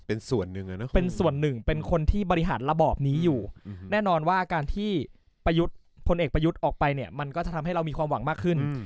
เป็นส่วนหนึ่งเป็นส่วนหนึ่งเป็นคนที่บริหารระบอบนี้อยู่แน่นอนว่าการที่พลเอกประยุทธ์ออกไปเนี่ยมันก็จะทำให้เรามีความหวังมากขึ้น